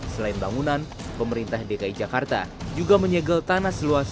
selain bangunan pemerintah dki jakarta juga menyegel tanah seluas